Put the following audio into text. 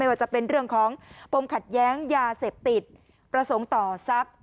ว่าจะเป็นเรื่องของปมขัดแย้งยาเสพติดประสงค์ต่อทรัพย์